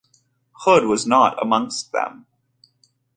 Hood was not amongst them.